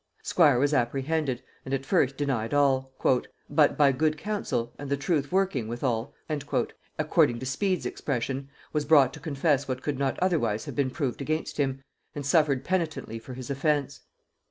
Squire was apprehended, and at first denied all: "but by good counsel, and the truth working withal," according to Speed's expression, was brought to confess what could not otherwise have been proved against him, and suffered penitently for his offence.